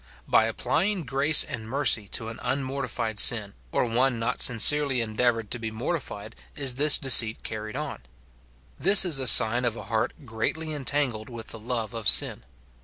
By applying grace and mercy to an unmortified sin, or one not sincerely endeavoured to be mortified, is this deceit carried on. This is a sign of a heart greatly entangled with the love of sin.